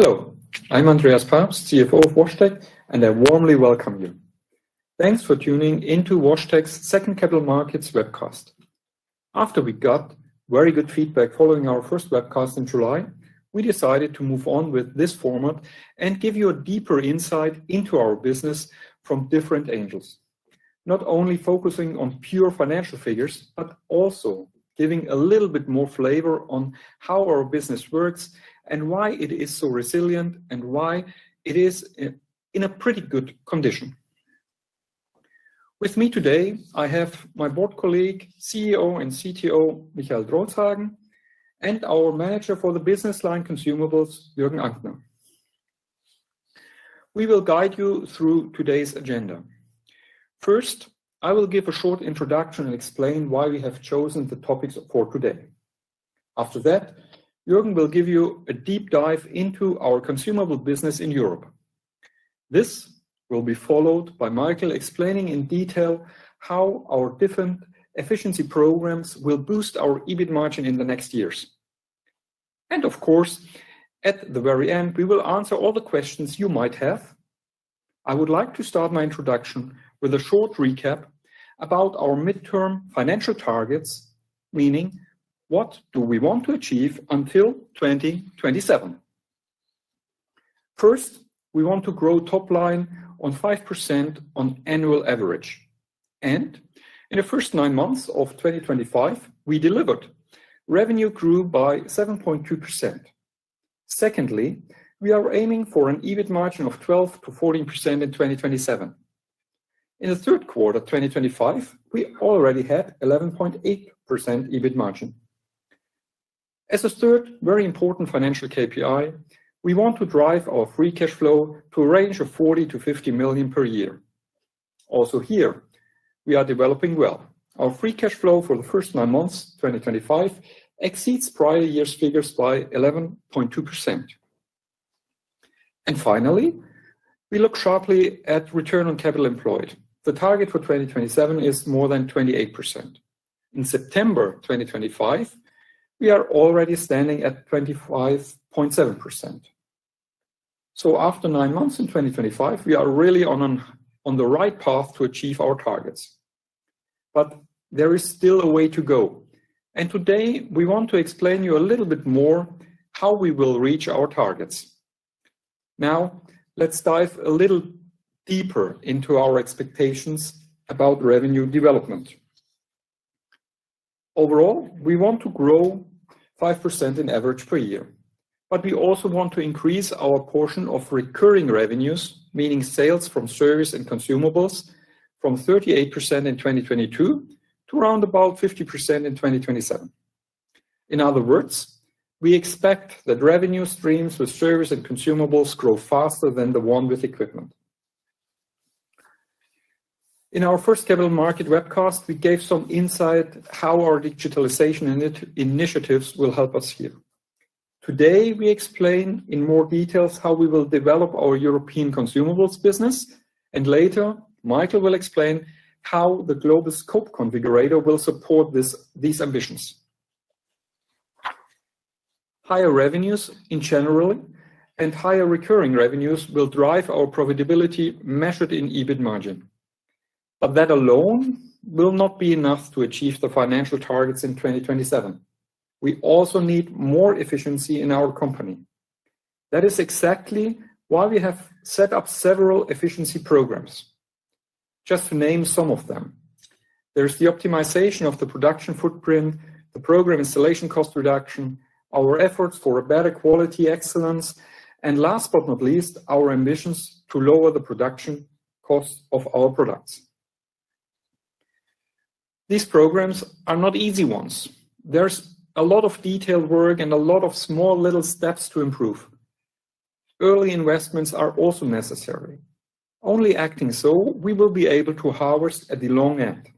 Hello, I'm Andreas Pabst, CFO of WashTec, and I warmly welcome you. Thanks for tuning into WashTec's second capital markets webcast. After we got very good feedback following our first webcast in July, we decided to move on with this format and give you a deeper insight into our business from different angles, not only focusing on pure financial figures, but also giving a little bit more flavor on how our business works and why it is so resilient and why it is in a pretty good condition. With me today, I have my board colleague, CEO and CTO, Michael Drolshagen, and our Manager for the Business Line Consumables, Juergen Ankner. We will guide you through today's agenda. First, I will give a short introduction and explain why we have chosen the topics for today. After that, Juergen will give you a deep dive into our consumable business in Europe. This will be followed by Michael explaining in detail how our different efficiency programs will boost our EBIT margin in the next years. Of course, at the very end, we will answer all the questions you might have. I would like to start my introduction with a short recap about our midterm financial targets, meaning what do we want to achieve until 2027. First, we want to grow top line on 5% on annual average. In the first nine months of 2025, we delivered. Revenue grew by 7.2%. Secondly, we are aiming for an EBIT margin of 12%-14% in 2027. In the third quarter of 2025, we already had 11.8% EBIT margin. As a third very important financial KPI, we want to drive our free cash flow to a range of 40 million-50 million per year. Also here, we are developing well. Our free cash flow for the first nine months of 2025 exceeds prior year's figures by 11.2%. Finally, we look sharply at return on capital employed. The target for 2027 is more than 28%. In September 2025, we are already standing at 25.7%. After nine months in 2025, we are really on the right path to achieve our targets. There is still a way to go. Today, we want to explain to you a little bit more how we will reach our targets. Now, let's dive a little deeper into our expectations about revenue development. Overall, we want to grow 5% in average per year. We also want to increase our portion of recurring revenues, meaning sales from service and consumables, from 38% in 2022 to around about 50% in 2027. In other words, we expect that revenue streams with service and consumables grow faster than the one with equipment. In our first capital market webcast, we gave some insight how our digitalization initiatives will help us here. Today, we explain in more detail how we will develop our European consumables business. Later, Michael will explain how the Global Scope Configurator will support these ambitions. Higher revenues in general and higher recurring revenues will drive our profitability measured in EBIT margin. That alone will not be enough to achieve the financial targets in 2027. We also need more efficiency in our company. That is exactly why we have set up several efficiency programs. Just to name some of them, there's the optimization of the production footprint, the program installation cost reduction, our efforts for a better quality excellence, and last but not least, our ambitions to lower the production cost of our products. These programs are not easy ones. There's a lot of detailed work and a lot of small little steps to improve. Early investments are also necessary. Only acting so, we will be able to harvest at the long end.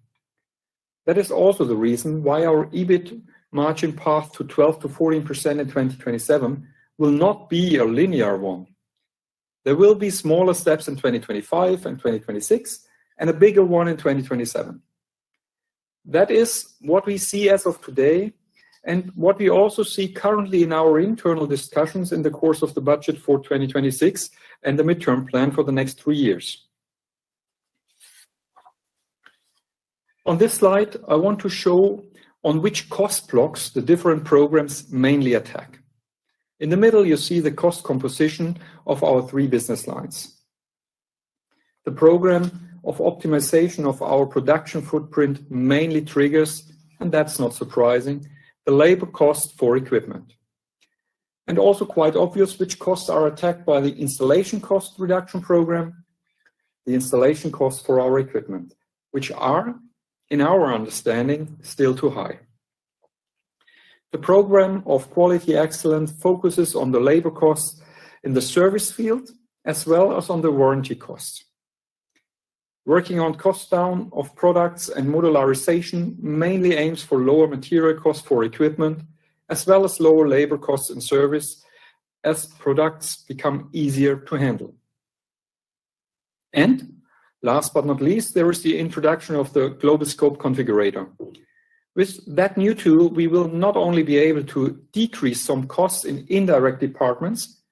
That is also the reason why our EBIT margin path to 12%-14% in 2027 will not be a linear one. There will be smaller steps in 2025 and 2026 and a bigger one in 2027. That is what we see as of today and what we also see currently in our internal discussions in the course of the budget for 2026 and the midterm plan for the next three years. On this slide, I want to show on which cost blocks the different programs mainly attack. In the middle, you see the cost composition of our three business lines. The program of optimization of our production footprint mainly triggers, and that's not surprising, the labor cost for equipment. Also quite obvious which costs are attacked by the installation cost reduction program, the installation cost for our equipment, which are, in our understanding, still too high. The program of quality excellence focuses on the labor costs in the service field as well as on the warranty costs. Working on cost down of products and modularization mainly aims for lower material costs for equipment as well as lower labor costs and service as products become easier to handle. Last but not least, there is the introduction of the Global Scope Configurator. With that new tool, we will not only be able to decrease some costs in indirect departments,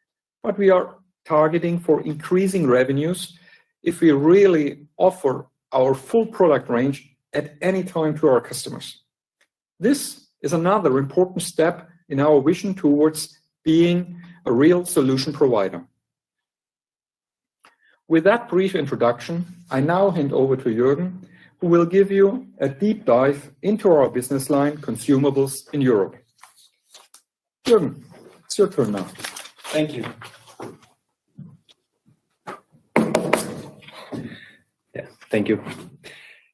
but we are targeting for increasing revenues if we really offer our full product range at any time to our customers. This is another important step in our vision towards being a real solution provider. With that brief introduction, I now hand over to Juergen, who will give you a deep dive into our business line consumables in Europe. Juergen, it's your turn now. Thank you. Yeah, thank you.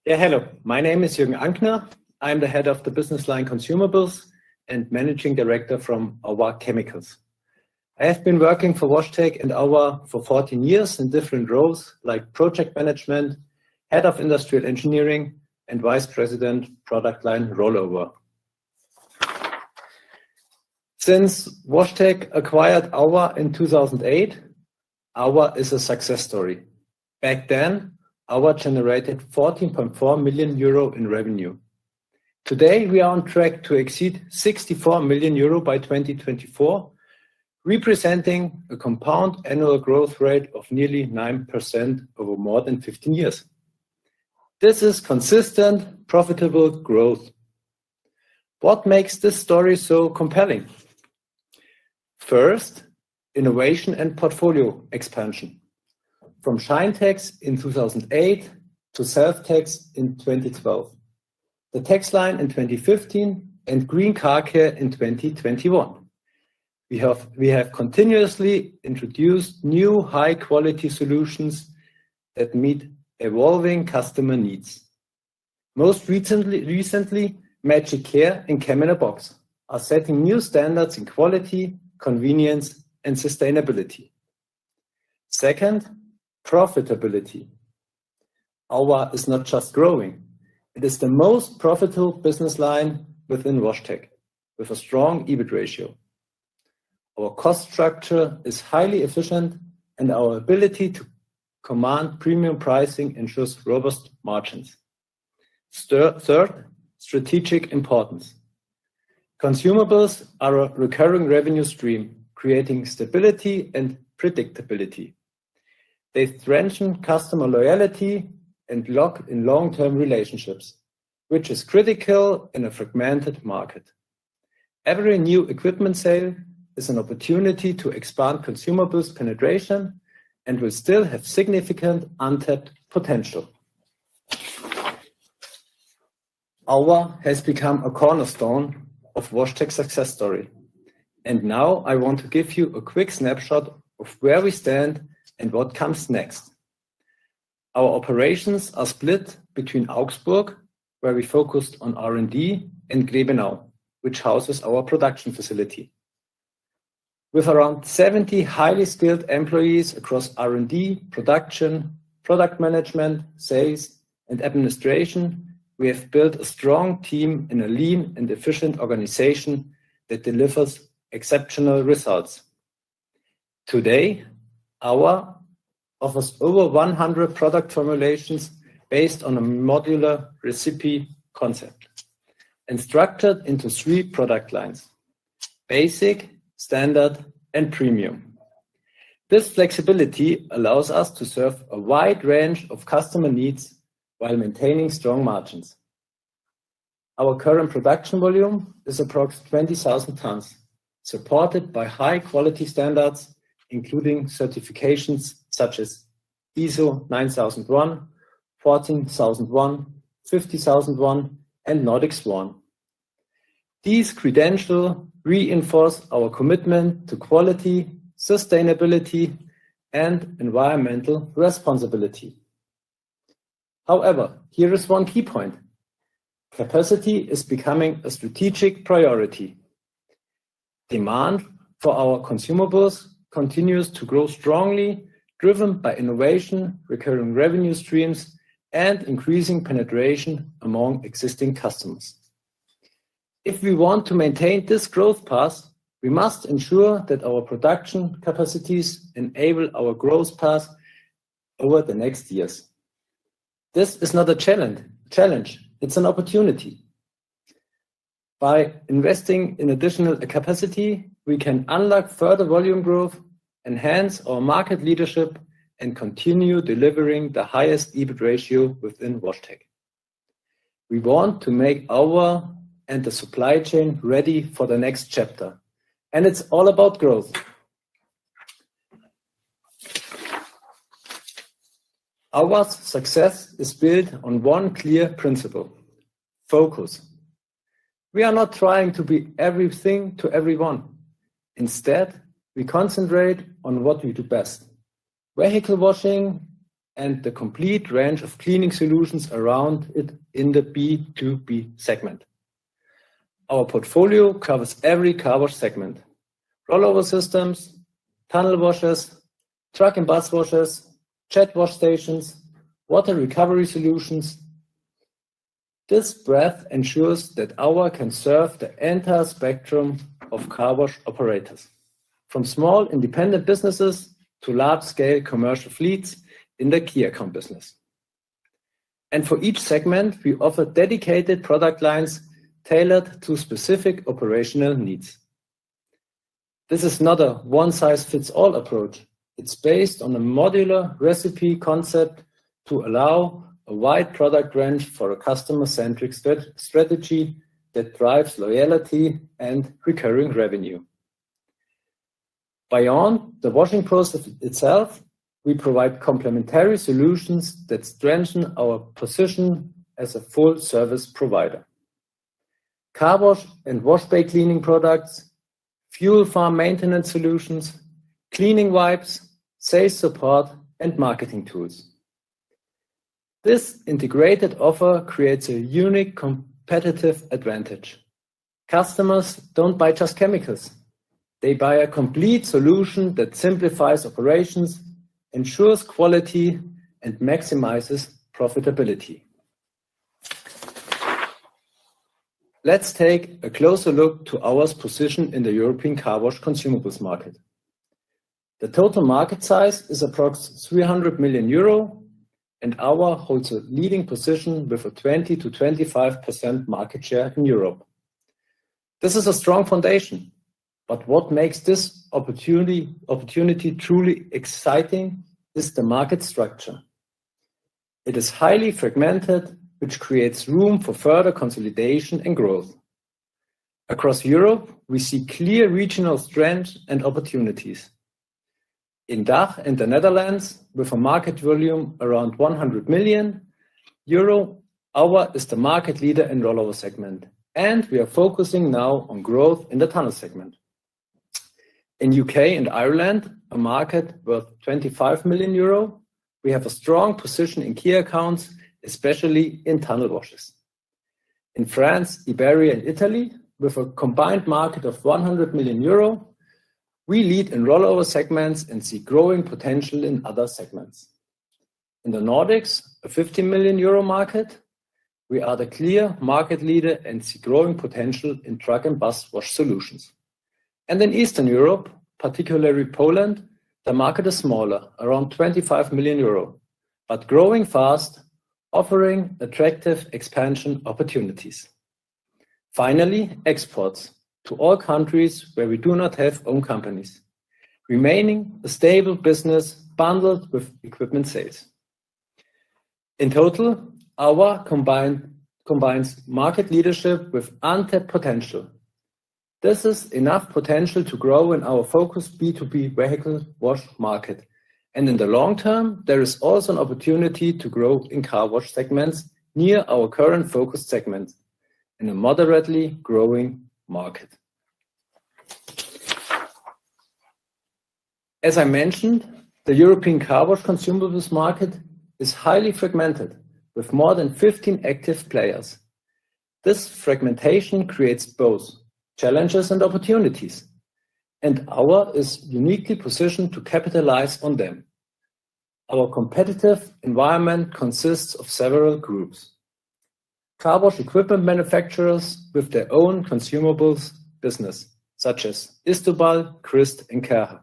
Yeah, hello. My name is Juergen Ankner. I'm the Head of the Business Line Consumables and Managing Director from AUWA Chemicals. I have been working for WashTec and AUWA for 14 years in different roles like project management, head of industrial engineering, and Vice President product line rollover. Since WashTec acquired AUWA in 2008, AUWA is a success story. Back then, AUWA generated 14.4 million euro in revenue. Today, we are on track to exceed 64 million euro by 2024, representing a compound annual growth rate of nearly 9% over more than 15 years. This is consistent profitable growth. What makes this story so compelling? First, innovation and portfolio expansion. From ShineTechs in 2008 to SelfTechs in 2012, the TechsLine in 2015, and Green Car Care in 2021. We have continuously introduced new high-quality solutions that meet evolving customer needs. Most recently, MagicCare and CHEM-IN-A-BOX are setting new standards in quality, convenience, and sustainability. Second, profitability. AUWA is not just growing. It is the most profitable business line within WashTec with a strong EBIT ratio. Our cost structure is highly efficient, and our ability to command premium pricing ensures robust margins. Third, strategic importance. Consumables are a recurring revenue stream, creating stability and predictability. They strengthen customer loyalty and lock in long-term relationships, which is critical in a fragmented market. Every new equipment sale is an opportunity to expand consumables penetration and will still have significant untapped potential. AUWA has become a cornerstone of WashTec's success story. I want to give you a quick snapshot of where we stand and what comes next. Our operations are split between Augsburg, where we focused on R&D, and Grebenau, which houses our production facility. With around 70 highly skilled employees across R&D, production, product management, sales, and administration, we have built a strong team in a lean and efficient organization that delivers exceptional results. Today, AUWA offers over 100 product formulations based on a modular recipe concept and structured into three product lines: basic, standard, and premium. This flexibility allows us to serve a wide range of customer needs while maintaining strong margins. Our current production volume is approximately 20,000 tons, supported by high-quality standards, including certifications such as ISO 9001, 14001, 50001, and Nordic Swan. These credentials reinforce our commitment to quality, sustainability, and environmental responsibility. However, here is one key point. Capacity is becoming a strategic priority. Demand for our consumables continues to grow strongly, driven by innovation, recurring revenue streams, and increasing penetration among existing customers. If we want to maintain this growth path, we must ensure that our production capacities enable our growth path over the next years. This is not a challenge. It's an opportunity. By investing in additional capacity, we can unlock further volume growth, enhance our market leadership, and continue delivering the highest EBIT ratio within WashTec. We want to make AUWA and the supply chain ready for the next chapter. It's all about growth. AUWA's success is built on one clear principle: focus. We are not trying to be everything to everyone. Instead, we concentrate on what we do best: vehicle washing and the complete range of cleaning solutions around it in the B2B segment. Our portfolio covers every car wash segment: rollover systems, tunnel washers, truck and bus washers, jet wash stations, water recovery solutions. This breadth ensures that AUWA can serve the entire spectrum of car wash operators, from small independent businesses to large-scale commercial fleets in the key account business. For each segment, we offer dedicated product lines tailored to specific operational needs. This is not a one-size-fits-all approach. It is based on a modular recipe concept to allow a wide product range for a customer-centric strategy that drives loyalty and recurring revenue. Beyond the washing process itself, we provide complementary solutions that strengthen our position as a full-service provider: car wash and wash bay cleaning products, fuel farm maintenance solutions, cleaning wipes, sales support, and marketing tools. This integrated offer creates a unique competitive advantage. Customers do not buy just chemicals. They buy a complete solution that simplifies operations, ensures quality, and maximizes profitability. Let's take a closer look at AUWA's position in the European car wash consumables market. The total market size is approximately 300 million euro, and AUWA holds a leading position with a 20%-25% market share in Europe. This is a strong foundation. What makes this opportunity truly exciting is the market structure. It is highly fragmented, which creates room for further consolidation and growth. Across Europe, we see clear regional strengths and opportunities. In DACH and the Netherlands, with a market volume around 100 million euro, AUWA is the market leader in the rollover segment, and we are focusing now on growth in the tunnel segment. In the U.K. and Ireland, a market worth 25 million euro, we have a strong position in key accounts, especially in tunnel washes. In France, Iberia, and Italy, with a combined market of 100 million euro, we lead in rollover segments and see growing potential in other segments. In the Nordics, a 50 million euro market, we are the clear market leader and see growing potential in truck and bus wash solutions. In Eastern Europe, particularly Poland, the market is smaller, around 25 million euro, but growing fast, offering attractive expansion opportunities. Finally, exports to all countries where we do not have own companies remain a stable business bundled with equipment sales. In total, AUWA combines market leadership with untapped potential. This is enough potential to grow in our focused B2B vehicle wash market. In the long term, there is also an opportunity to grow in car wash segments near our current focused segment in a moderately growing market. As I mentioned, the European car wash consumables market is highly fragmented with more than 15 active players. This fragmentation creates both challenges and opportunities, and AUWA is uniquely positioned to capitalize on them. Our competitive environment consists of several groups: car wash equipment manufacturers with their own consumables business, such as Istobal, Christ, and Kärcher,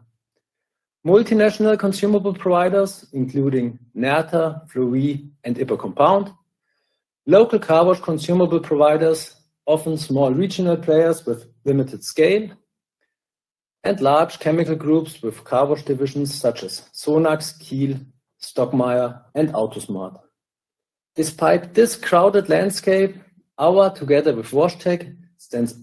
multinational consumable providers including Nerta, Fleury, and IPA Compound, local car wash consumable providers, often small regional players with limited scale, and large chemical groups with car wash divisions such as Sonax, Kiel, Stockmeyer, and Autosmart. Despite this crowded landscape, AUWA, together with WashTec, stands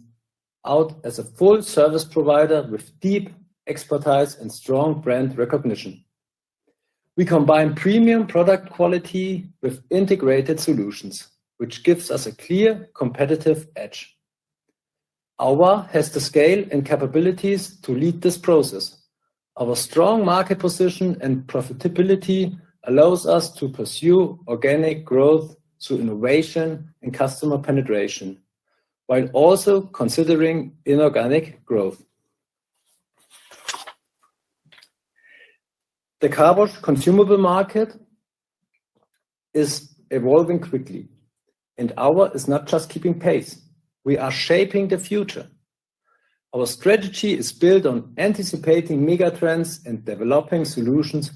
out as a full-service provider with deep expertise and strong brand recognition. We combine premium product quality with integrated solutions, which gives us a clear competitive edge. AUWA has the scale and capabilities to lead this process. Our strong market position and profitability allow us to pursue organic growth through innovation and customer penetration, while also considering inorganic growth. The car wash consumable market is evolving quickly, and AUWA is not just keeping pace. We are shaping the future. Our strategy is built on anticipating megatrends and developing solutions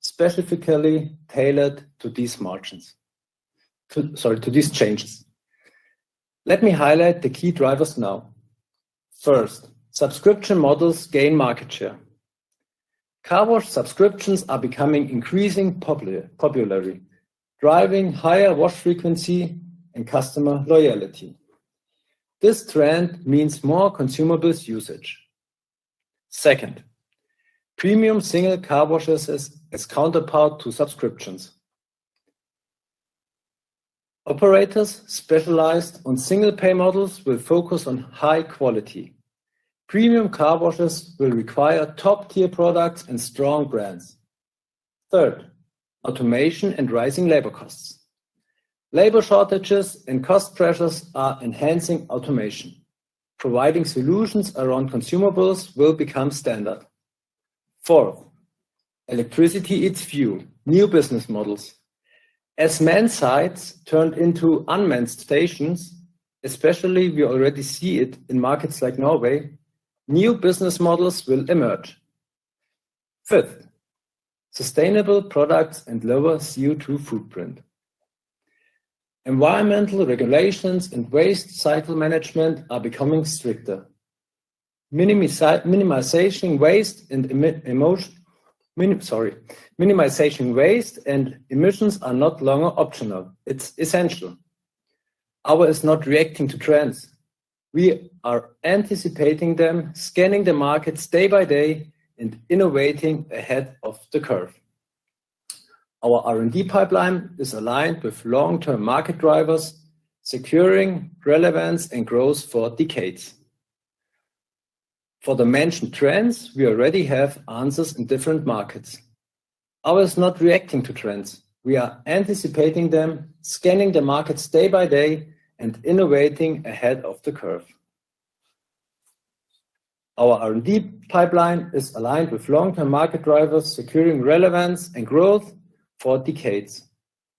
specifically tailored to these margins. Sorry, to these changes. Let me highlight the key drivers now. First, subscription models gain market share. Car wash subscriptions are becoming increasingly popular, driving higher wash frequency and customer loyalty. This trend means more consumables usage. Second, premium single car washes as a counterpart to subscriptions. Operators specialized on single pay models will focus on high quality. Premium car washes will require top-tier products and strong brands. Third, automation and rising labor costs. Labor shortages and cost pressures are enhancing automation. Providing solutions around consumables will become standard. Fourth, electricity eats fuel: new business models. As man sites turn into unmanned stations, especially we already see it in markets like Norway, new business models will emerge. Fifth, sustainable products and lower CO2 footprint. Environmental regulations and waste cycle management are becoming stricter. Minimization of waste and emissions are no longer optional. It is essential. AUWA is not reacting to trends. We are anticipating them, scanning the market day by day, and innovating ahead of the curve. Our R&D pipeline is aligned with long-term market drivers, securing relevance and growth for decades. For the mentioned trends, we already have answers in different markets. AUWA is not reacting to trends. We are anticipating them, scanning the market day by day, and innovating ahead of the curve. Our R&D pipeline is aligned with long-term market drivers, securing relevance and growth for decades.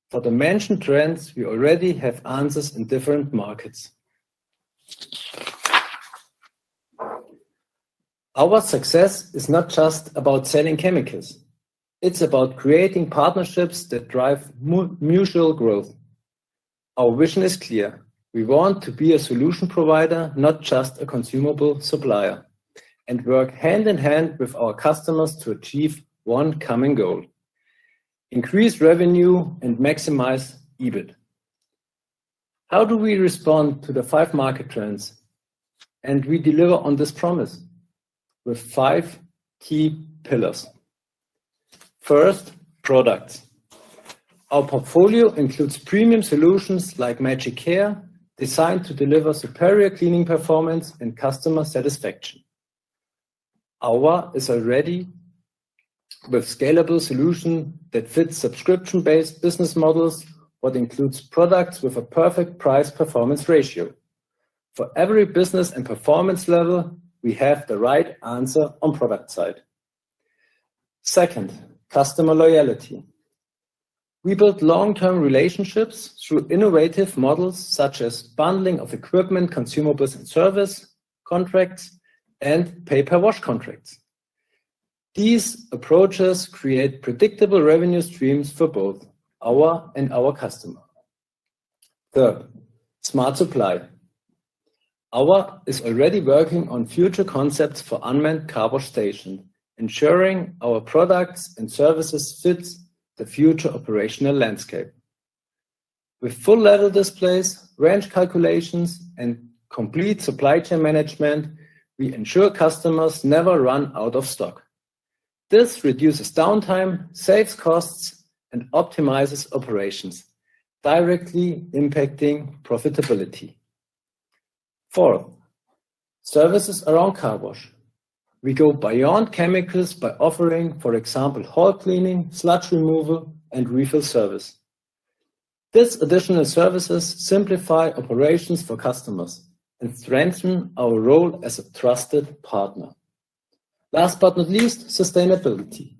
For the mentioned trends, we already have answers in different markets. Our success is not just about selling chemicals. It is about creating partnerships that drive mutual growth. Our vision is clear. We want to be a solution provider, not just a consumable supplier, and work hand in hand with our customers to achieve one common goal: increase revenue and maximize EBIT. How do we respond to the five market trends? We deliver on this promise with five key pillars. First, products. Our portfolio includes premium solutions like MagicCare, designed to deliver superior cleaning performance and customer satisfaction. AUWA is already with a scalable solution that fits subscription-based business models, which includes products with a perfect price-performance ratio. For every business and performance level, we have the right answer on the product side. Second, customer loyalty. We build long-term relationships through innovative models such as bundling of equipment, consumables, and service contracts and paper wash contracts. These approaches create predictable revenue streams for both AUWA and our customer. Third, smart supply. AUWA is already working on future concepts for unmanned car wash stations, ensuring our products and services fit the future operational landscape. With full-level displays, range calculations, and complete supply chain management, we ensure customers never run out of stock. This reduces downtime, saves costs, and optimizes operations, directly impacting profitability. Fourth, services around car wash. We go beyond chemicals by offering, for example, hall cleaning, sludge removal, and refill service. These additional services simplify operations for customers and strengthen our role as a trusted partner. Last but not least, sustainability.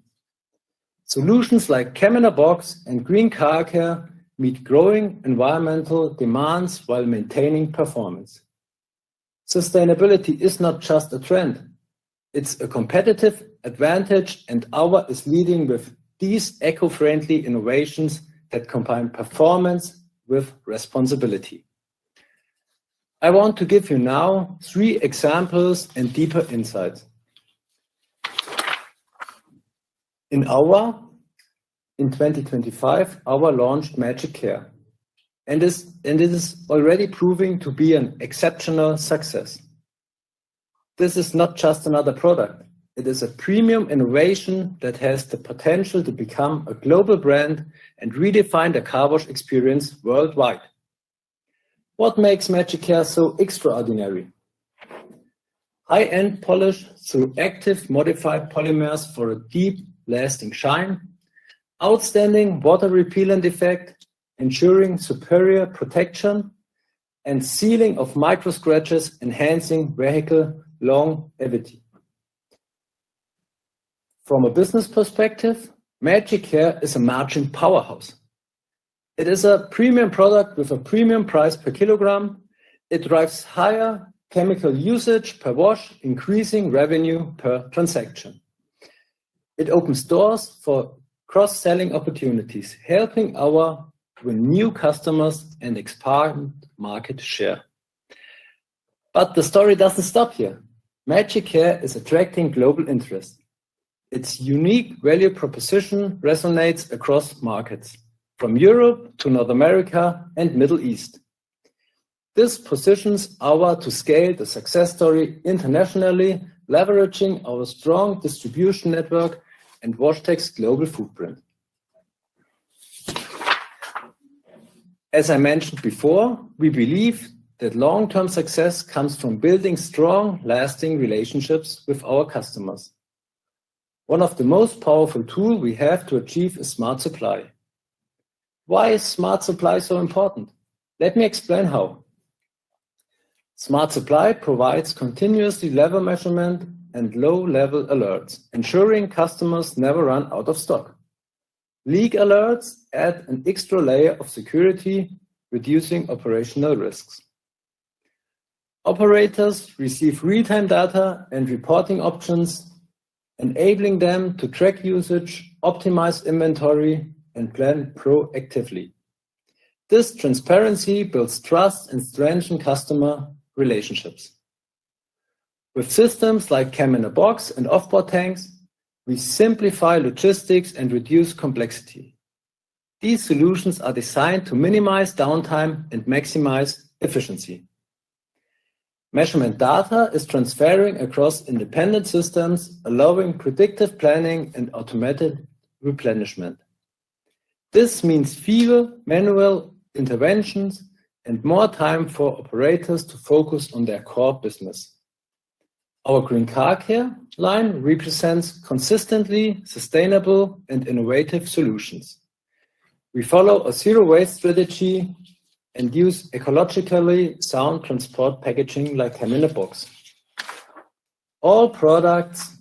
Solutions like CHEM-IN-A-BOX and Green Car Care meet growing environmental demands while maintaining performance. Sustainability is not just a trend. It's a competitive advantage, and AUWA is leading with these eco-friendly innovations that combine performance with responsibility. I want to give you now three examples and deeper insights. In AUWA, in 2025, AUWA launched MagicCare, and it is already proving to be an exceptional success. This is not just another product. It is a premium innovation that has the potential to become a global brand and redefine the car wash experience worldwide. What makes MagicCare so extraordinary? High-end polish through active modified polymers for a deep, lasting shine, outstanding water-repellent effect, ensuring superior protection, and sealing of micro-scratches, enhancing vehicle longevity. From a business perspective, MagicCare is a margin powerhouse. It is a premium product with a premium price per kilogram. It drives higher chemical usage per wash, increasing revenue per transaction. It opens doors for cross-selling opportunities, helping AUWA to win new customers and expand market share. The story does not stop here. MagicCare is attracting global interest. Its unique value proposition resonates across markets, from Europe to North America and the Middle East. This positions AUWA to scale the success story internationally, leveraging our strong distribution network and WashTec's global footprint. As I mentioned before, we believe that long-term success comes from building strong, lasting relationships with our customers. One of the most powerful tools we have to achieve is smart supply. Why is smart supply so important? Let me explain how. Smart supply provides continuous level measurement and low-level alerts, ensuring customers never run out of stock. Leak alerts add an extra layer of security, reducing operational risks. Operators receive real-time data and reporting options, enabling them to track usage, optimize inventory, and plan proactively. This transparency builds trust and strengthens customer relationships. With systems like CHEM-IN-A-BOX and Offboard Tanks, we simplify logistics and reduce complexity. These solutions are designed to minimize downtime and maximize efficiency. Measurement data is transferring across independent systems, allowing predictive planning and automated replenishment. This means fewer manual interventions and more time for operators to focus on their core business. Our Green Car Care line represents consistently sustainable and innovative solutions. We follow a zero-waste strategy and use ecologically sound transport packaging like CHEM-IN-A-BOX. All products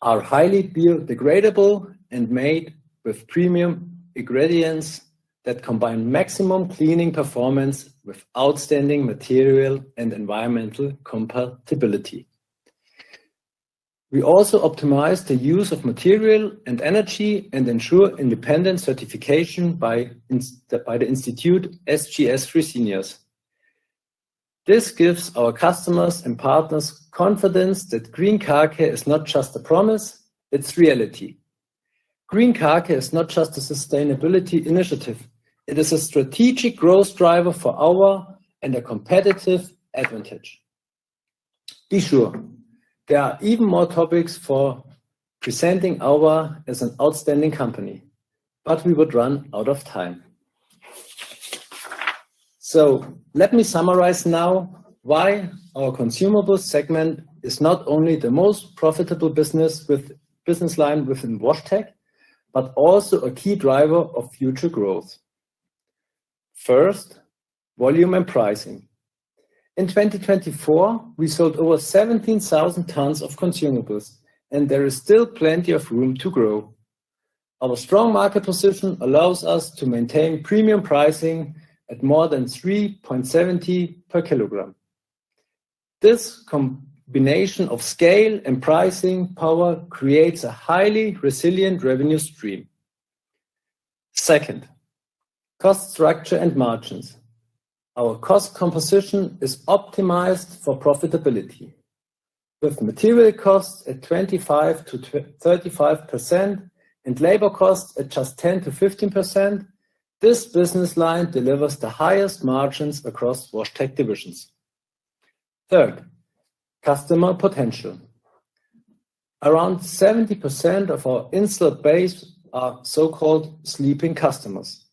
are highly biodegradable and made with premium ingredients that combine maximum cleaning performance with outstanding material and environmental compatibility. We also optimize the use of material and energy and ensure independent certification by the institute SGS [Reseniors]. This gives our customers and partners confidence that Green Car Care is not just a promise; it's reality. Green Car Care is not just a sustainability initiative. It is a strategic growth driver for AUWA and a competitive advantage. Be sure, there are even more topics for presenting AUWA as an outstanding company, but we would run out of time. Let me summarize now why our consumable segment is not only the most profitable business line within WashTec, but also a key driver of future growth. First, volume and pricing. In 2024, we sold over 17,000 tons of consumables, and there is still plenty of room to grow. Our strong market position allows us to maintain premium pricing at more than 3.70 per kg. This combination of scale and pricing power creates a highly resilient revenue stream. Second, cost structure and margins. Our cost composition is optimized for profitability. With material costs at 25-35% and labor costs at just 10%-15%, this business line delivers the highest margins across WashTec divisions. Third, customer potential. Around 70% of our insular base are so-called sleeping customers,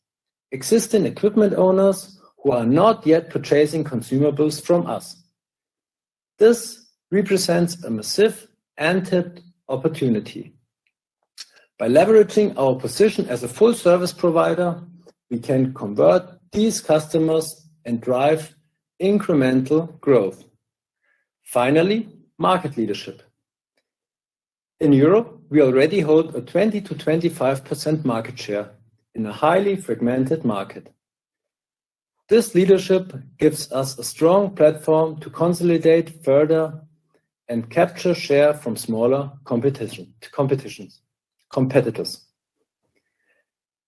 existing equipment owners who are not yet purchasing consumables from us. This represents a massive untapped opportunity. By leveraging our position as a full-service provider, we can convert these customers and drive incremental growth. Finally, market leadership. In Europe, we already hold a 20%-25% market share in a highly fragmented market. This leadership gives us a strong platform to consolidate further and capture share from smaller competitors.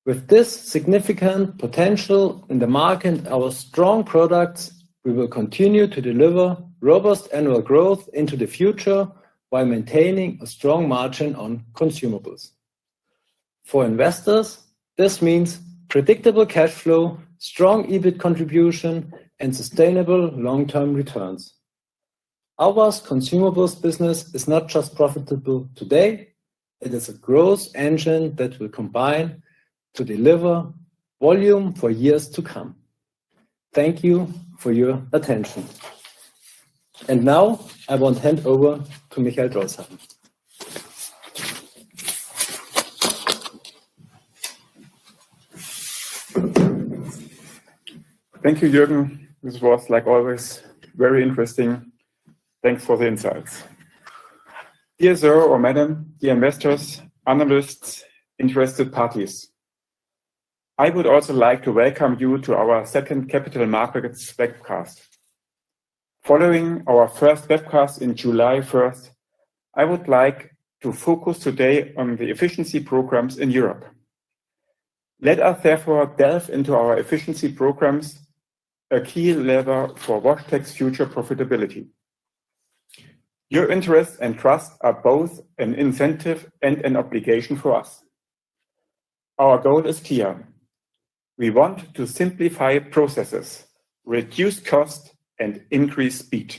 With this significant potential in the market and our strong products, we will continue to deliver robust annual growth into the future while maintaining a strong margin on consumables. For investors, this means predictable cash flow, strong EBIT contribution, and sustainable long-term returns. AUWA's consumables business is not just profitable today. It is a growth engine that will combine to deliver volume for years to come. Thank you for your attention. I want to hand over to Michael Drolshagen. Thank you, Juergen. This was, like always, very interesting. Thanks for the insights. Dear Sir or Madam, dear investors, analysts, interested parties. I would also like to welcome you to our second Capital Markets webcast. Following our first webcast on July 1st, I would like to focus today on the efficiency programs in Europe. Let us therefore delve into our efficiency programs, a key lever for WashTec's future profitability. Your interest and trust are both an incentive and an obligation for us. Our goal is clear. We want to simplify processes, reduce cost, and increase speed,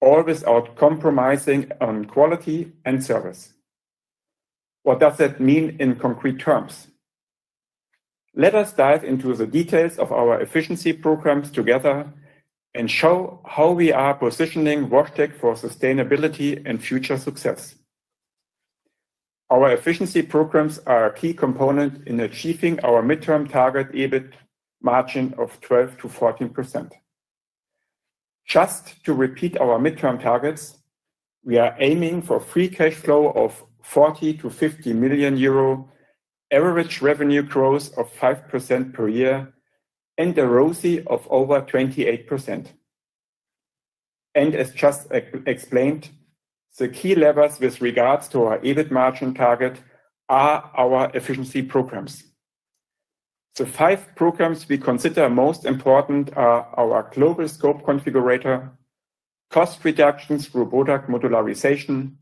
all without compromising on quality and service. What does that mean in concrete terms? Let us dive into the details of our efficiency programs together and show how we are positioning WashTec for sustainability and future success. Our efficiency programs are a key component in achieving our midterm target EBIT margin of 12%-14%. Just to repeat our midterm targets, we are aiming for free cash flow of 40 million-50 million euro, average revenue growth of 5% per year, and a ROCE of over 28%. As just explained, the key levers with regards to our EBIT margin target are our efficiency programs. The five programs we consider most important are our Global Scope Configurator, cost reductions, robotic modularization,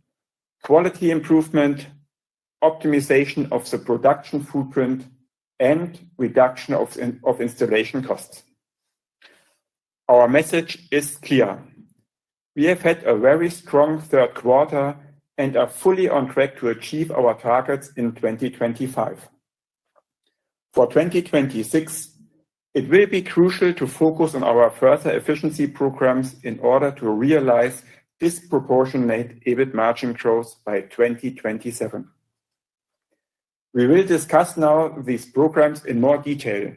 quality improvement, optimization of the production footprint, and reduction of installation costs. Our message is clear. We have had a very strong third quarter and are fully on track to achieve our targets in 2025. For 2026, it will be crucial to focus on our further efficiency programs in order to realize disproportionate EBIT margin growth by 2027. We will discuss now these programs in more detail.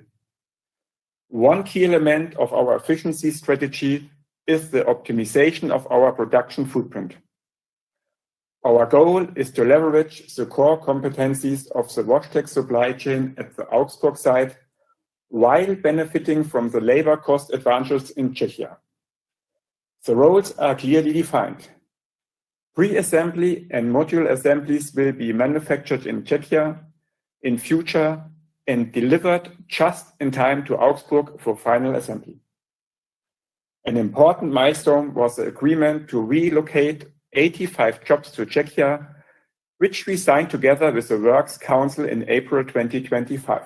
One key element of our efficiency strategy is the optimization of our production footprint. Our goal is to leverage the core competencies of the WashTec supply chain at the Augsburg site while benefiting from the labor cost advantages in Czechia. The roles are clearly defined. Pre-assembly and module assemblies will be manufactured in Czechia in future and delivered just in time to Augsburg for final assembly. An important milestone was the agreement to relocate 85 jobs to Czechia, which we signed together with the Works Council in April 2025.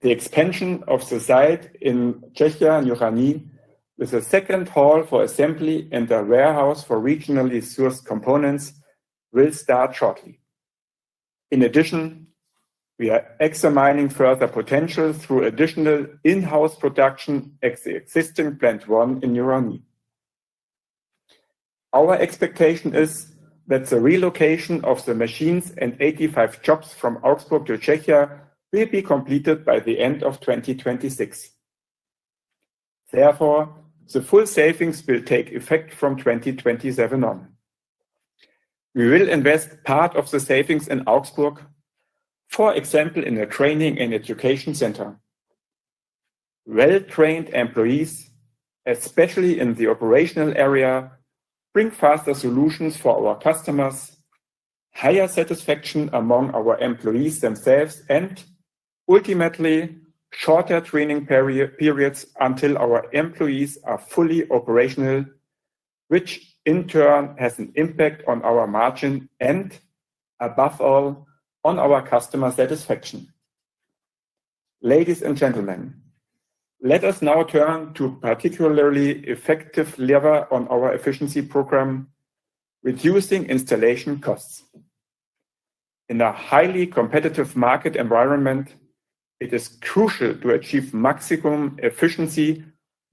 The expansion of the site in Czechia, New Rani, with a second hall for assembly and a warehouse for regionally sourced components will start shortly. In addition, we are examining further potential through additional in-house production at the existing Plant 1 in New Rani. Our expectation is that the relocation of the machines and 85 jobs from Augsburg to Czechia will be completed by the end of 2026. Therefore, the full savings will take effect from 2027 on. We will invest part of the savings in Augsburg, for example, in a training and education center. Well-trained employees, especially in the operational area, bring faster solutions for our customers, higher satisfaction among our employees themselves, and ultimately shorter training periods until our employees are fully operational, which in turn has an impact on our margin and, above all, on our customer satisfaction. Ladies and gentlemen, let us now turn to a particularly effective lever on our efficiency program, reducing installation costs. In a highly competitive market environment, it is crucial to achieve maximum efficiency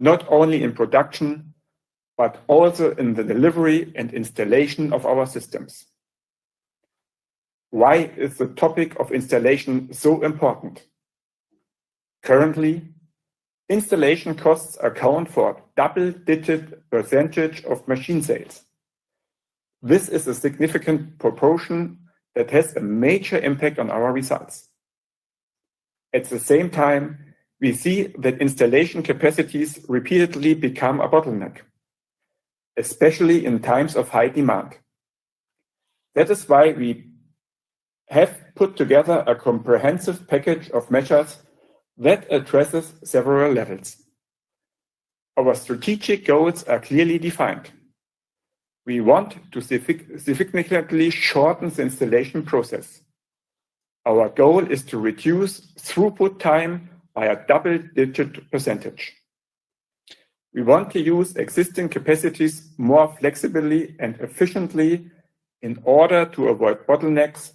not only in production, but also in the delivery and installation of our systems. Why is the topic of installation so important? Currently, installation costs account for a double-digit percentage of machine sales. This is a significant proportion that has a major impact on our results. At the same time, we see that installation capacities repeatedly become a bottleneck, especially in times of high demand. That is why we have put together a comprehensive package of measures that addresses several levels. Our strategic goals are clearly defined. We want to significantly shorten the installation process. Our goal is to reduce throughput time by a double-digit percentage. We want to use existing capacities more flexibly and efficiently in order to avoid bottlenecks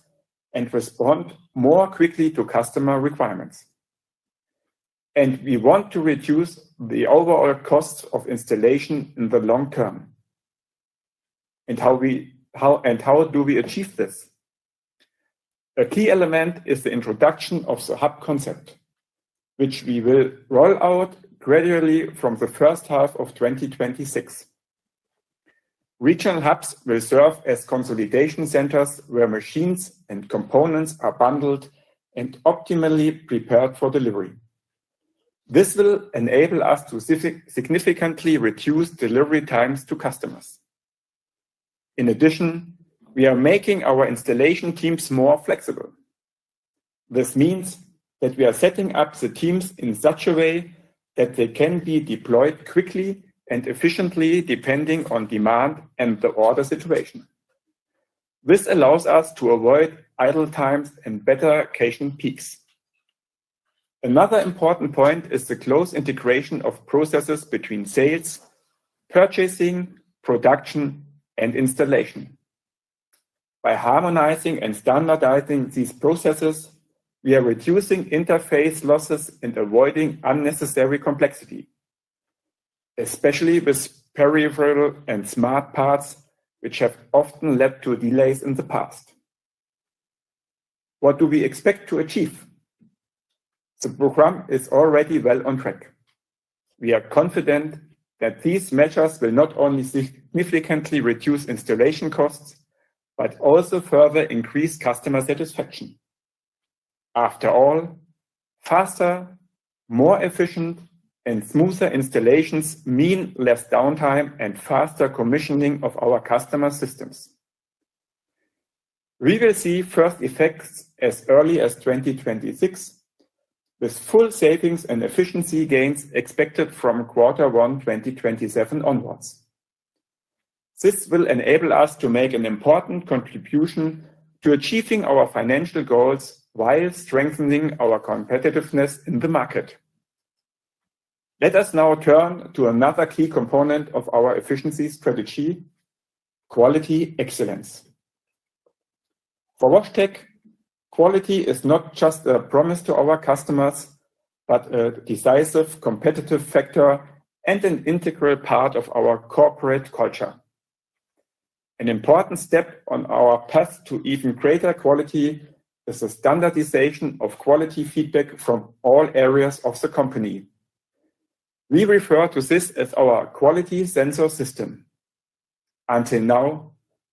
and respond more quickly to customer requirements. We want to reduce the overall cost of installation in the long term. How do we achieve this? A key element is the introduction of the hub concept, which we will roll out gradually from the first half of 2026. Regional hubs will serve as consolidation centers where machines and components are bundled and optimally prepared for delivery. This will enable us to significantly reduce delivery times to customers. In addition, we are making our installation teams more flexible. This means that we are setting up the teams in such a way that they can be deployed quickly and efficiently depending on demand and the order situation. This allows us to avoid idle times and better occasion peaks. Another important point is the close integration of processes between sales, purchasing, production, and installation. By harmonizing and standardizing these processes, we are reducing interface losses and avoiding unnecessary complexity, especially with peripheral and smart parts, which have often led to delays in the past. What do we expect to achieve? The program is already well on track. We are confident that these measures will not only significantly reduce installation costs, but also further increase customer satisfaction. After all, faster, more efficient, and smoother installations mean less downtime and faster commissioning of our customer systems. We will see first effects as early as 2026, with full savings and efficiency gains expected from Q1 2027 onwards. This will enable us to make an important contribution to achieving our financial goals while strengthening our competitiveness in the market. Let us now turn to another key component of our efficiency strategy, quality excellence. For WashTec, quality is not just a promise to our customers, but a decisive competitive factor and an integral part of our corporate culture. An important step on our path to even greater quality is the standardization of quality feedback from all areas of the company. We refer to this as our quality sensor system. Until now,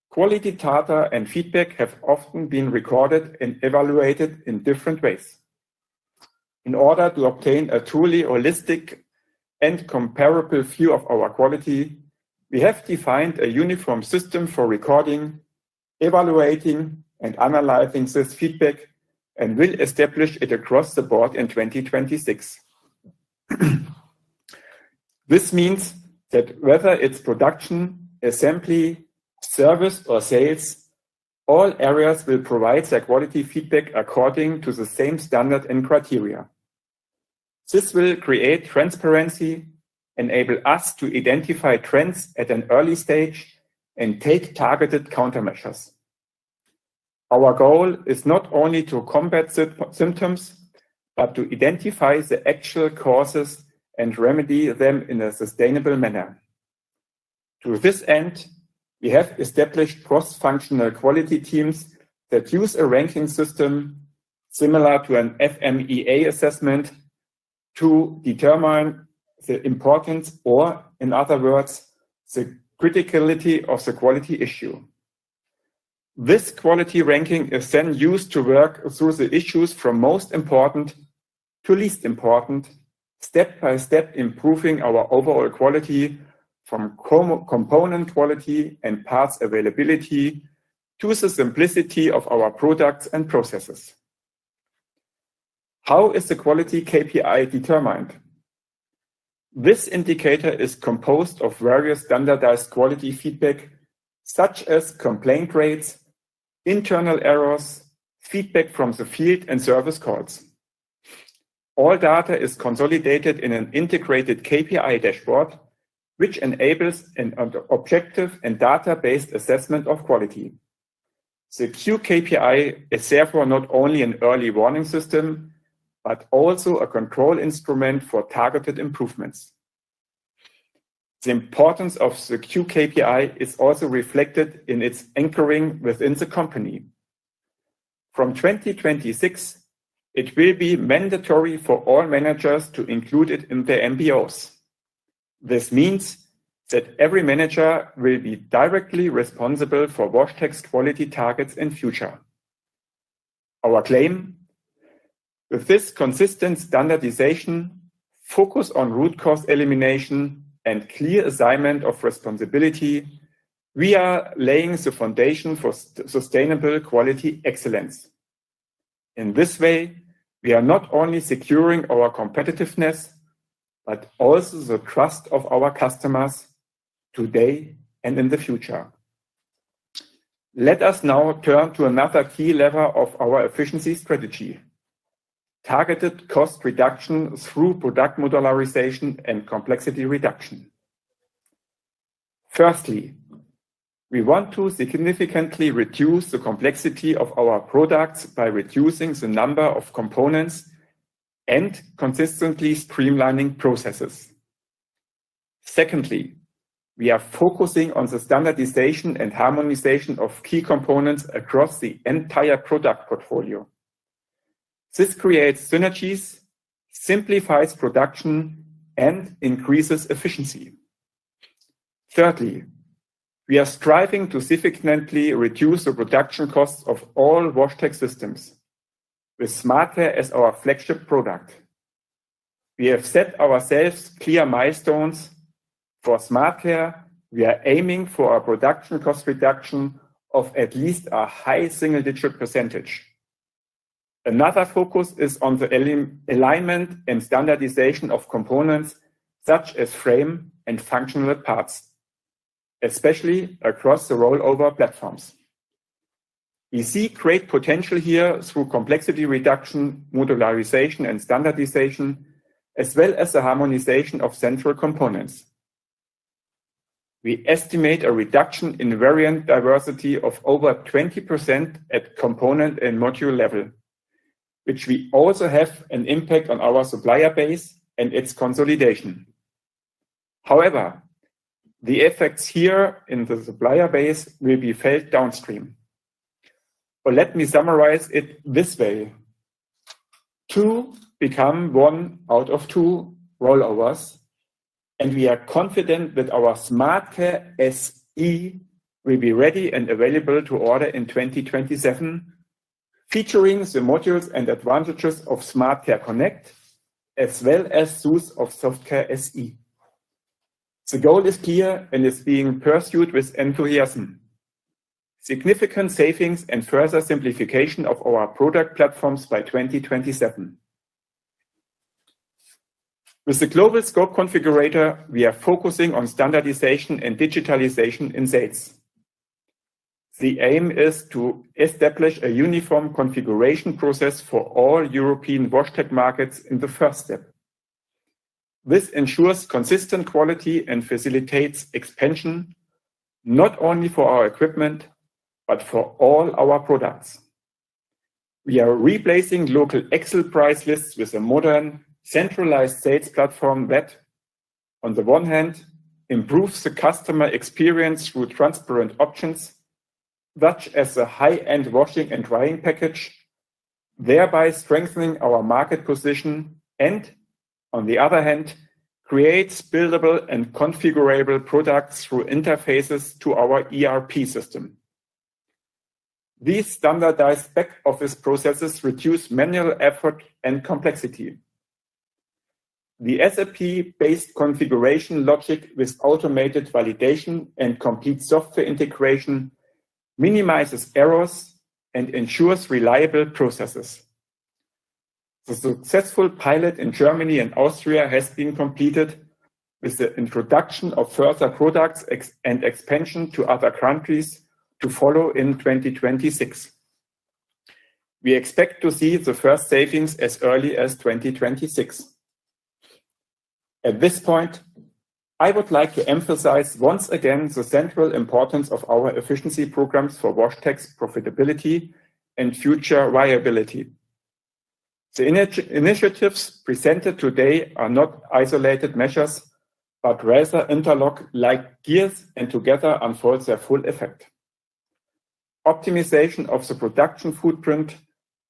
quality data and feedback have often been recorded and evaluated in different ways. In order to obtain a truly holistic and comparable view of our quality, we have defined a uniform system for recording, evaluating, and analyzing this feedback and will establish it across the board in 2026. This means that whether it's production, assembly, service, or sales, all areas will provide their quality feedback according to the same standard and criteria. This will create transparency, enable us to identify trends at an early stage, and take targeted countermeasures. Our goal is not only to combat symptoms, but to identify the actual causes and remedy them in a sustainable manner. To this end, we have established cross-functional quality teams that use a ranking system similar to an FMEA assessment to determine the importance, or in other words, the criticality of the quality issue. This quality ranking is then used to work through the issues from most important to least important, step by step improving our overall quality from component quality and parts availability to the simplicity of our products and processes. How is the quality KPI determined? This indicator is composed of various standardized quality feedback, such as complaint rates, internal errors, feedback from the field, and service calls. All data is consolidated in an integrated KPI dashboard, which enables an objective and data-based assessment of quality. The QKPI is therefore not only an early warning system, but also a control instrument for targeted improvements. The importance of the QKPI is also reflected in its anchoring within the company. From 2026, it will be mandatory for all managers to include it in their MBOs. This means that every manager will be directly responsible for WashTec's quality targets in the future. Our claim: With this consistent standardization, focus on root cause elimination, and clear assignment of responsibility, we are laying the foundation for sustainable quality excellence. In this way, we are not only securing our competitiveness, but also the trust of our customers today and in the future. Let us now turn to another key lever of our efficiency strategy: targeted cost reduction through product modularization and complexity reduction. Firstly, we want to significantly reduce the complexity of our products by reducing the number of components and consistently streamlining processes. Secondly, we are focusing on the standardization and harmonization of key components across the entire product portfolio. This creates synergies, simplifies production, and increases efficiency. Thirdly, we are striving to significantly reduce the production costs of all WashTec systems, with SmartCare as our flagship product. We have set ourselves clear milestones. For SmartCare, we are aiming for a production cost reduction of at least a high single-digit %. Another focus is on the alignment and standardization of components such as frame and functional parts, especially across the rollover platforms. We see great potential here through complexity reduction, modularization, and standardization, as well as the harmonization of central components. We estimate a reduction in variant diversity of over 20% at component and module level, which will also have an impact on our supplier base and its consolidation. However, the effects here in the supplier base will be felt downstream. Let me summarize it this way: Two become one out of two rollovers, and we are confident that our SmartCare SE will be ready and available to order in 2027, featuring the modules and advantages of SmartCare Connect, as well as those of SoftCare SE. The goal is clear and is being pursued with enthusiasm: significant savings and further simplification of our product platforms by 2027. With the Global Scope Configurator, we are focusing on standardization and digitalization in sales. The aim is to establish a uniform configuration process for all European WashTec markets in the first step. This ensures consistent quality and facilitates expansion not only for our equipment, but for all our products. We are replacing local Excel price lists with a modern, centralized sales platform that, on the one hand, improves the customer experience through transparent options, such as a high-end washing and drying package, thereby strengthening our market position, and, on the other hand, creates buildable and configurable products through interfaces to our ERP system. These standardized back-office processes reduce manual effort and complexity. The SAP-based configuration logic with automated validation and complete software integration minimizes errors and ensures reliable processes. The successful pilot in Germany and Austria has been completed, with the introduction of further products and expansion to other countries to follow in 2026. We expect to see the first savings as early as 2026. At this point, I would like to emphasize once again the central importance of our efficiency programs for WashTec's profitability and future viability. The initiatives presented today are not isolated measures, but rather interlock like gears and together unfold their full effect. Optimization of the production footprint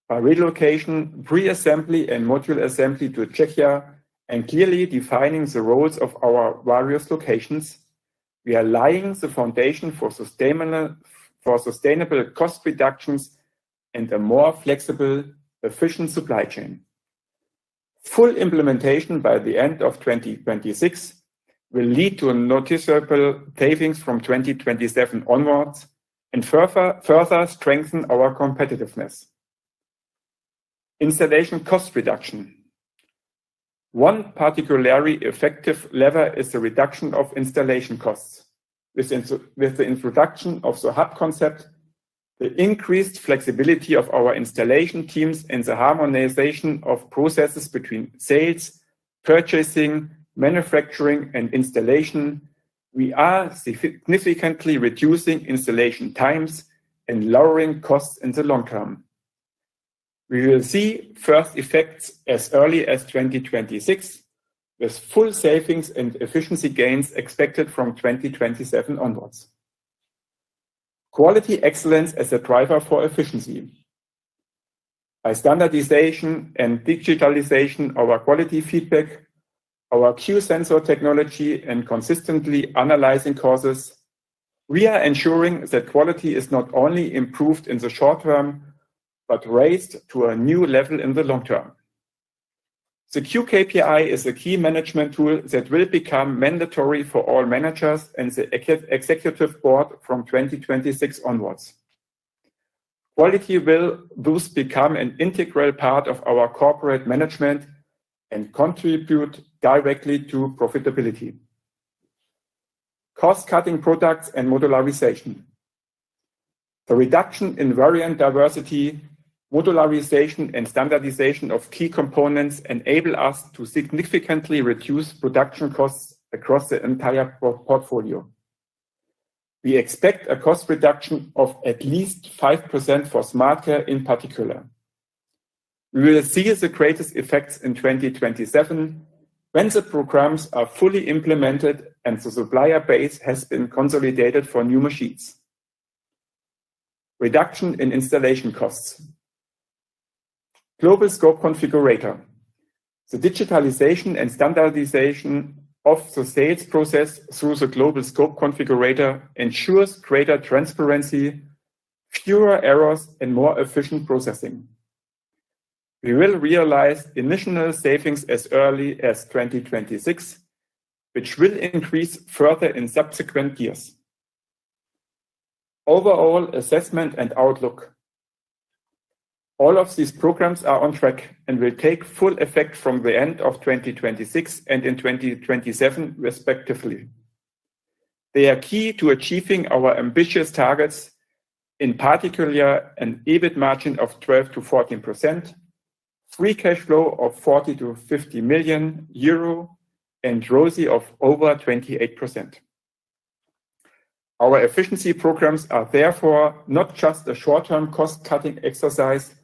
by relocation, pre-assembly, and module assembly to Czechia, and clearly defining the roles of our various locations, we are laying the foundation for sustainable cost reductions and a more flexible, efficient supply chain. Full implementation by the end of 2026 will lead to noticeable savings from 2027 onwards and further strengthen our competitiveness. Installation cost reduction. One particularly effective lever is the reduction of installation costs. With the introduction of the hub concept, the increased flexibility of our installation teams, and the harmonization of processes between sales, purchasing, manufacturing, and installation, we are significantly reducing installation times and lowering costs in the long term. We will see first effects as early as 2026, with full savings and efficiency gains expected from 2027 onwards. Quality excellence as a driver for efficiency. By standardization and digitalization of our quality feedback, our QSensor technology, and consistently analyzing causes, we are ensuring that quality is not only improved in the short term, but raised to a new level in the long term. The QKPI is a key management tool that will become mandatory for all managers and the executive board from 2026 onwards. Quality will thus become an integral part of our corporate management and contribute directly to profitability. Cost-cutting products and modularization. The reduction in variant diversity, modularization, and standardization of key components enable us to significantly reduce production costs across the entire portfolio. We expect a cost reduction of at least 5% for SmartCare in particular. We will see the greatest effects in 2027 when the programs are fully implemented and the supplier base has been consolidated for new machines. Reduction in installation costs. Global Scope Configurator. The digitalization and standardization of the sales process through the Global Scope Configurator ensures greater transparency, fewer errors, and more efficient processing. We will realize initial savings as early as 2026, which will increase further in subsequent years. Overall assessment and outlook. All of these programs are on track and will take full effect from the end of 2026 and in 2027, respectively. They are key to achieving our ambitious targets, in particular an EBIT margin of 12%-14%, free cash flow of 40 million-50 million euro, and ROCE of over 28%. Our efficiency programs are therefore not just a short-term cost-cutting exercise,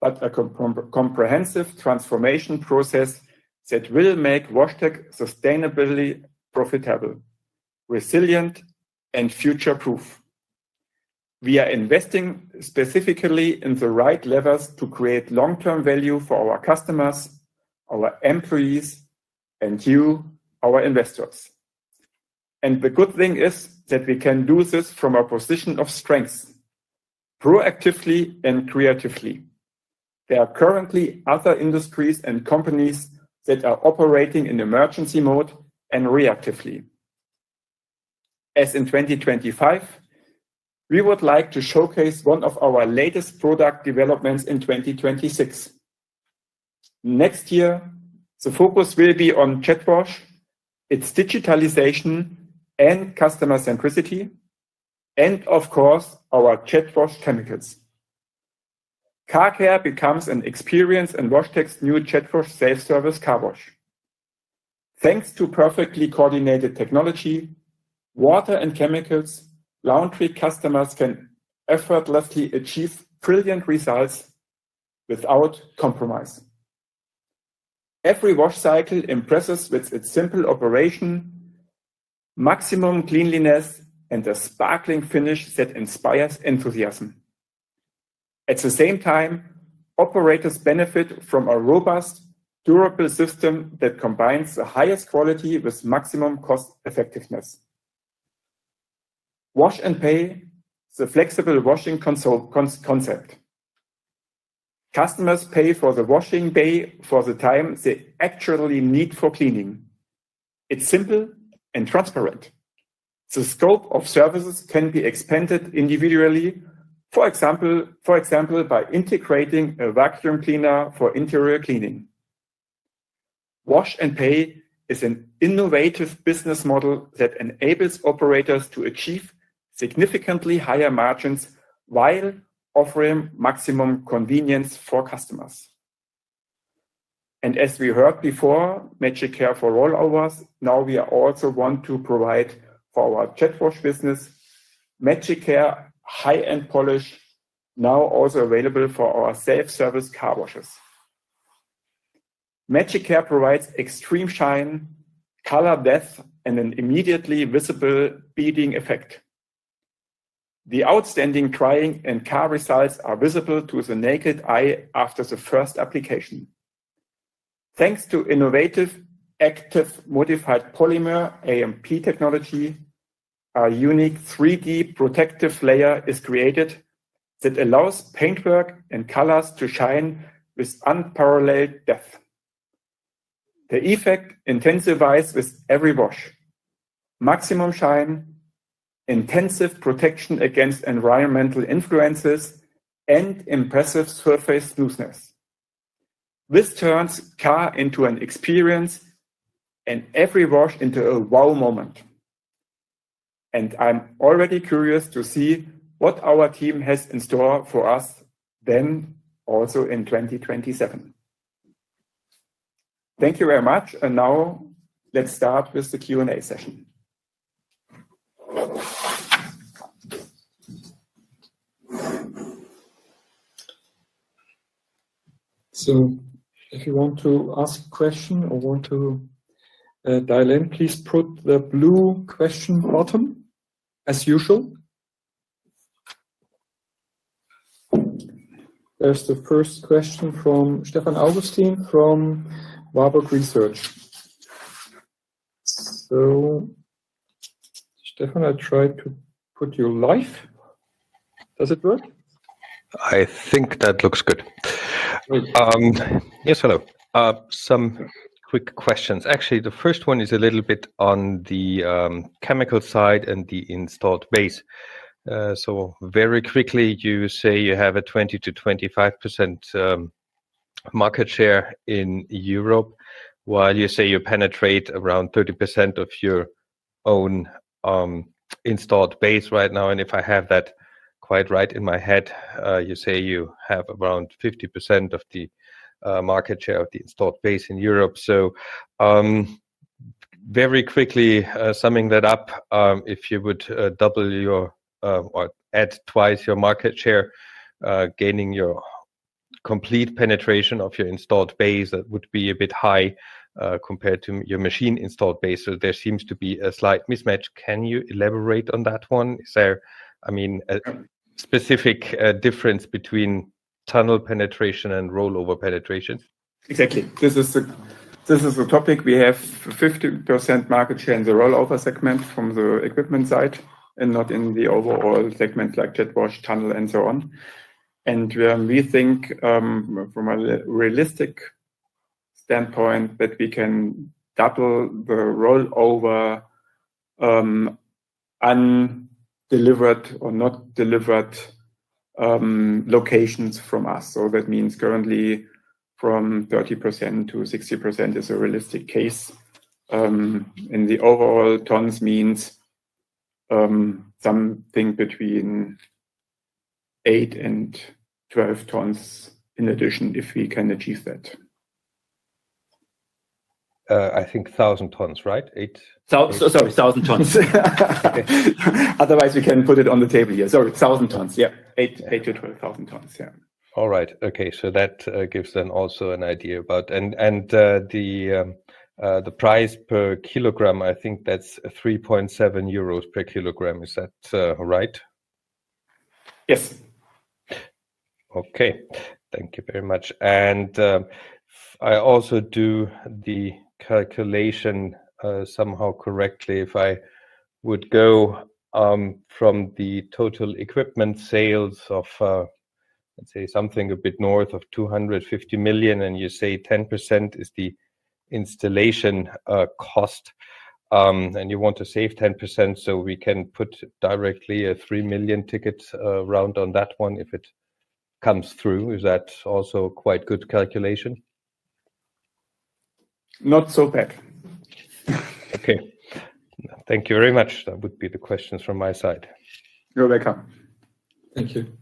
but a comprehensive transformation process that will make WashTec sustainably profitable, resilient, and future-proof. We are investing specifically in the right levers to create long-term value for our customers, our employees, and you, our investors. The good thing is that we can do this from our position of strength, proactively and creatively. There are currently other industries and companies that are operating in emergency mode and reactively. As in 2025, we would like to showcase one of our latest product developments in 2026. Next year, the focus will be on JetWash, its digitalization and customer centricity, and of course, our JetWash chemicals. Car Care becomes an experience and WashTec's new JetWash self-service car wash. Thanks to perfectly coordinated technology, water and chemicals, laundry customers can effortlessly achieve brilliant results without compromise. Every wash cycle impresses with its simple operation, maximum cleanliness, and a sparkling finish that inspires enthusiasm. At the same time, operators benefit from a robust, durable system that combines the highest quality with maximum cost-effectiveness. Wash and Pay, the flexible washing concept. Customers pay for the washing day for the time they actually need for cleaning. It is simple and transparent. The scope of services can be expanded individually, for example, by integrating a vacuum cleaner for interior cleaning. Wash and Pay is an innovative business model that enables operators to achieve significantly higher margins while offering maximum convenience for customers. As we heard before, MagicCare for rollovers, now we also want to provide for our JetWash business, MagicCare high end polish, now also available for our self-service car washes. MagicCare provides extreme shine, color depth, and an immediately visible beading effect. The outstanding drying and car results are visible to the naked eye after the first application. Thanks to innovative active modified polymer AMP technology, a unique 3D protective layer is created that allows paintwork and colors to shine with unparalleled depth. The effect intensifies with every wash. Maximum shine, intensive protection against environmental influences, and impressive surface smoothness. This turns car into an experience and every wash into a wow moment. I'm already curious to see what our team has in store for us then also in 2027. Thank you very much. Now let's start with the Q&A session. If you want to ask a question or want to dial in, please put the blue question button as usual. There's the first question from Stefan Augustin from Warburg Research. Stefan, I tried to put you live. Does it work? I think that looks good. Yes, hello. Some quick questions. Actually, the first one is a little bit on the chemical side and the installed base. Very quickly, you say you have a 20%-25% market share in Europe, while you say you penetrate around 30% of your own installed base right now. If I have that quite right in my head, you say you have around 50% of the market share of the installed base in Europe. Very quickly, summing that up, if you would double your or add twice your market share, gaining your complete penetration of your installed base, that would be a bit high compared to your machine installed base. There seems to be a slight mismatch. Can you elaborate on that one? Is there, I mean, a specific difference between tunnel penetration and rollover penetrations? Exactly. This is the topic. We have 50% market share in the rollover segment from the equipment side and not in the overall segment like JetWash, tunnel, and so on. We think from a realistic standpoint that we can double the rollover undelivered or not delivered locations from us. That means currently from 30% to 60% is a realistic case. The overall tons means something between 8,000 and 12,000 tons in addition if we can achieve that. I think 1,000 tons, right? Eight? Sorry, 1,000 tons. Otherwise, we can put it on the table here. Sorry, 1,000 tons. Yeah, 8,000 to 12,000 tons. Yeah. All right. Okay. That gives then also an idea about the price per kilogram. I think that is 3.7 euros per kg. Is that right? Yes. Okay. Thank you very much. I also do the calculation somehow correctly. If I would go from the total equipment sales of, let's say, something a bit north of 250 million, and you say 10% is the installation cost, and you want to save 10%, so we can put directly a 3 million ticket round on that one if it comes through. Is that also quite good calculation? Not so bad. Okay. Thank you very much. That would be the questions from my side. You're welcome. Thank you.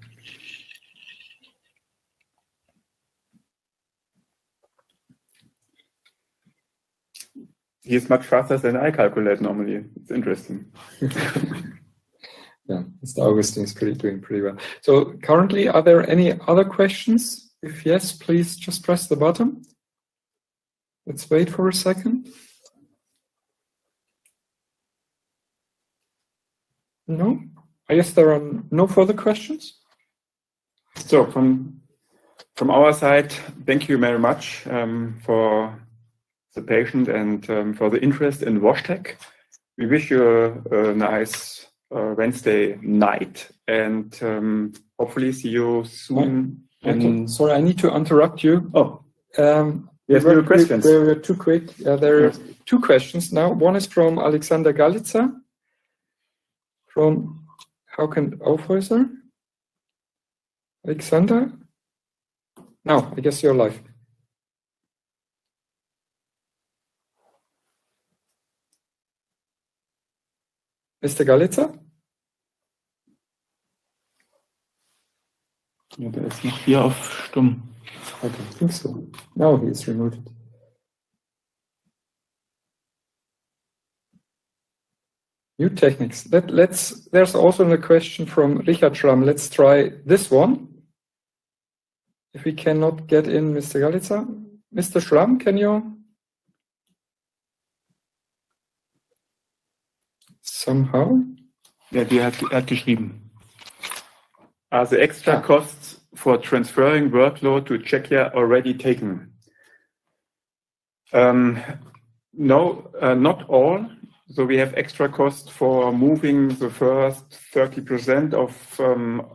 He's much faster than I calculate normally. It's interesting. Yeah, Mr. Augustin is doing pretty well. Currently, are there any other questions? If yes, please just press the button. Let's wait for a second. No? I guess there are no further questions. From our side, thank you very much for the patience and for the interest in WashTec. We wish you a nice Wednesday night, and hopefully see you soon. Sorry, I need to interrupt you. Oh. There were two questions. There were two questions now. One is from Alexander Galitza. From how can I offer? Alexander? No, I guess you're live. Mr. Galitza. Okay, it's not here of stum. Okay, I think so. Now he's removed. New techniques. There's also a question from Richard Schramm. Let's try this one. If we cannot get in, Mr. Galitza. Mr. Schramm, can you somehow? Yeah, he had geschrieben. Are the extra costs for transferring workload to Czechia already taken? No, not all. So we have extra costs for moving the first 30% of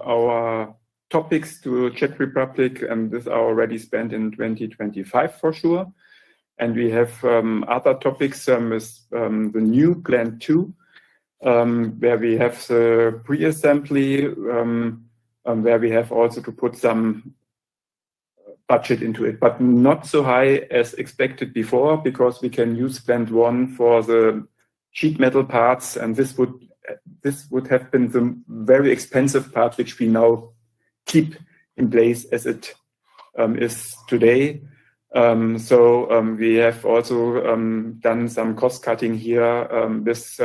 our topics to Czech Republic, and this is already spent in 2025 for sure. We have other topics with the new plan 2, where we have the pre-assembly, where we also have to put some budget into it, but not as high as expected before because we can use plan 1 for the sheet metal parts. This would have been the very expensive part, which we now keep in place as it is today. We have also done some cost-cutting here with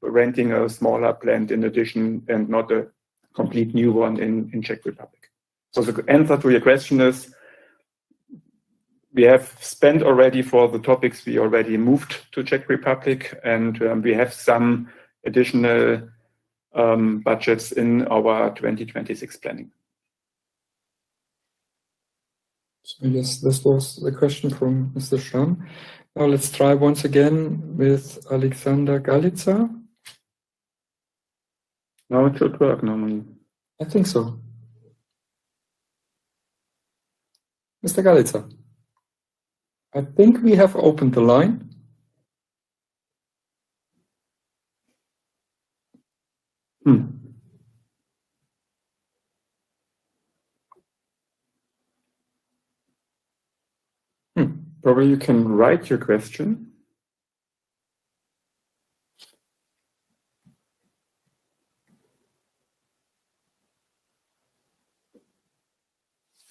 renting a smaller plant in addition and not a completely new one in Czech Republic. The answer to your question is we have spent already for the topics we already moved to Czech Republic, and we have some additional budgets in our 2026 planning. Yes, this was the question from Mr. Schramm. Now let's try once again with Alexander Galitza. Now it should work normally. I think so. Mr. Galitza. I think we have opened the line. Probably you can write your question.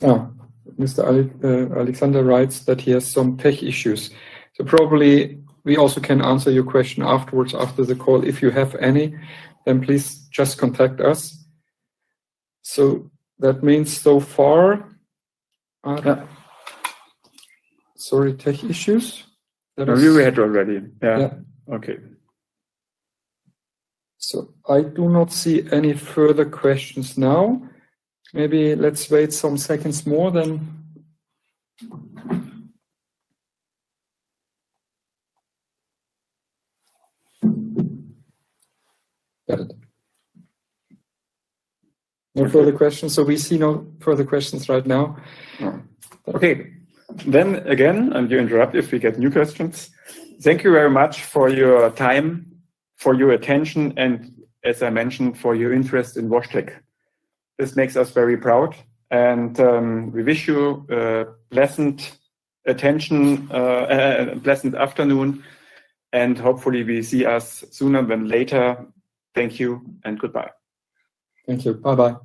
Oh, Mr. Alexander writes that he has some tech issues. We also can answer your question afterwards after the call. If you have any, then please just contact us. That means so far. Sorry, tech issues. That is all we had already. Yeah. Okay. I do not see any further questions now. Maybe let's wait some seconds more then. Got it. No further questions. We see no further questions right now. Okay. I am going to interrupt if we get new questions. Thank you very much for your time, for your attention, and as I mentioned, for your interest in WashTec. This makes us very proud. We wish you a pleasant afternoon, and hopefully we see us sooner than later. Thank you and goodbye. Thank you. Bye-bye.